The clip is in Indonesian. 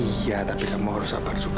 iya tapi kamu harus sabar juga